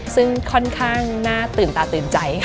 ซึ่งค่อนข้างน่าตื่นตาตื่นใจค่ะ